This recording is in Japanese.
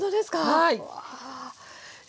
はい。